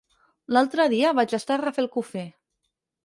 L'altre dia vaig estar a Rafelcofer.